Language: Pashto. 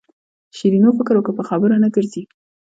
شیرینو فکر وکړ په خبرو نه ګرځي.